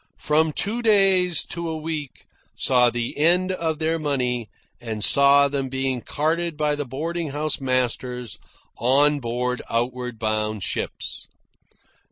From two days to a week saw the end of their money and saw them being carted by the boarding house masters on board outward bound ships.